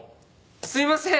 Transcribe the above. すいません！